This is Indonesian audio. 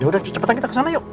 ya udah cepetan kita kesana yuk